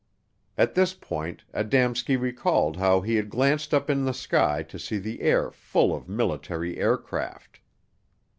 At this point Adamski recalled how he had glanced up in the sky to see the air full of military aircraft.